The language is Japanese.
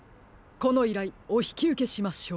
このいらいおひきうけしましょう。